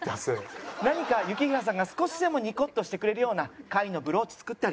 何か雪平さんが少しでもニコッとしてくれるような貝のブローチ作ったり。